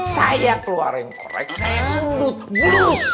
saya keluarin korek saya sundut blus